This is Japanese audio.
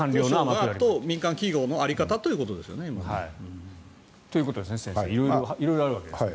それと民間企業の在り方ということですよね。ということですね、先生色々あるわけですね。